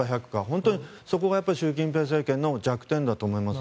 本当にそこが習近平政権の弱点だと思います。